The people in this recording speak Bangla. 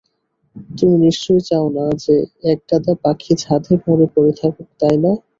তুমি নিশ্চয়ই চাও না একগাদা পাখি ছাদে মরে পড়ে থাকুক, তাই না?